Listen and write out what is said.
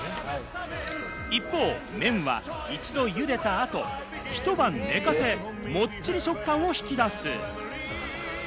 一方、麺は一度茹でた後、一晩寝かせ、もっちり食感を引き出す。